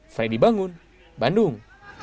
freddy bangun bandung